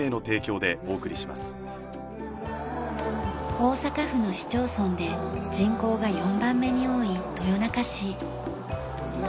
大阪府の市町村で人口が４番目に多い豊中市。